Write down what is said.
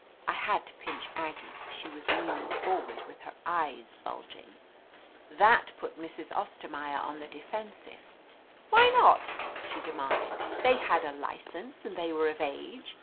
I had to pinch Aggie ; she was leaning forward with her eyes bulging. That put Mrs. Ostermaier on the defensive. '•Why not?" she demanded. "They had a license, and they were of age.